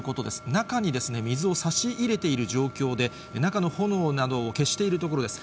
中に水をさし入れている状況で、中の炎などを消しているところです。